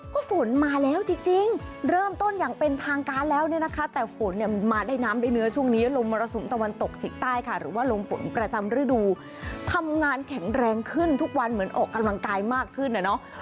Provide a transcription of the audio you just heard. ก็ฝนมาแล้วจริงเริ่มต้นอย่างเป็นทางการแล้วเนี่ยนะคะแต่ฝนเนี่ยมาได้น้ำได้เนื้อช่วงนี้ลมมรสุมตะวันตกเฉียงใต้ค่ะหรือว่าลมฝนประจำฤดูทำงานแข็งแรงขึ้นทุกวันเหมือนออกกำลังกายมากขึ้นนะเนาะ